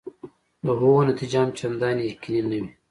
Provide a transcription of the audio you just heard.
د هغو نتیجه هم چنداني یقیني نه وي.